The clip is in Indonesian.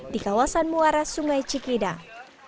di kawasan muara sungai cikidang